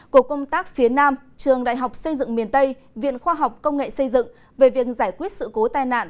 của công tác phía nam trường đại học xây dựng miền tây viện khoa học công nghệ xây dựng về việc giải quyết sự cố tai nạn